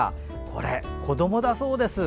これ子どもだそうです。